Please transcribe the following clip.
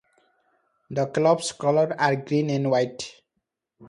The club's colours are green and white.